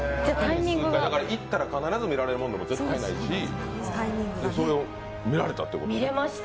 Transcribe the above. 行ったら必ず見られるものでも絶対にないしそれを見られたということですね。